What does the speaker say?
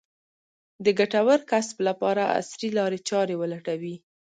د ګټور کسب لپاره عصري لارې چارې ولټوي.